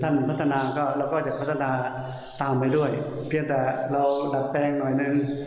พัฒนาก็เราก็จะพัฒนาตามไปด้วยเพียงแต่เราดัดแปลงหน่อยหนึ่ง